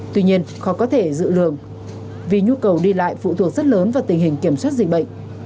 tuy nhiên khó có thể dự lường vì nhu cầu đi lại phụ thuộc rất lớn vào tình hình kiểm soát dịch bệnh